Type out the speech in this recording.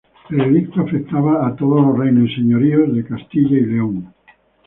El edicto afectaba a "todos los reinos y señoríos de Castilla y León".